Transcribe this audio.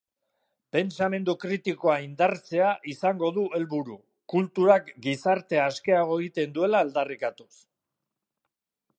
Pentsamendu kritikoa indartzea izango du helburu, kulturak gizartea askeago egiten duela aldarrikatuz.